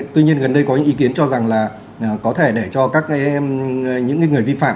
tuy nhiên gần đây có những ý kiến cho rằng là có thể để cho những người vi phạm